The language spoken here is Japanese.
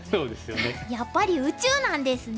やっぱり宇宙なんですね。